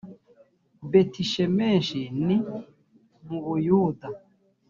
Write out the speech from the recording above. betishemeshi ni mu buyuda .